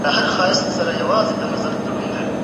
ښوونځي د مرستې غوښتلو لپاره مهم ځای دی.